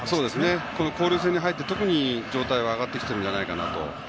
交流戦に入って、特に状態が上がってきているんじゃないかなと。